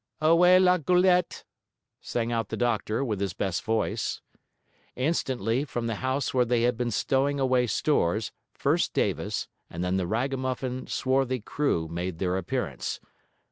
'Ohe la goelette!' sang out the doctor, with his best voice. Instantly, from the house where they had been stowing away stores, first Davis, and then the ragamuffin, swarthy crew made their appearance.